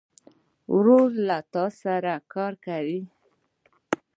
ورور له تا سره کار کوي.